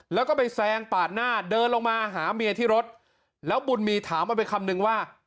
แล้วก็ไปแซงปาดหน้าเดินลงมาหาเมียที่รถแล้วบุญมีถามเอาไปคำนึงว่า